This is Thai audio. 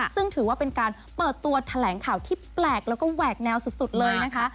ซึ่งถือว่าเป็นการเปิดตัวแถลงข่าวที่แปลกแล้วก็แหวกแนวสุดเลยนะคะ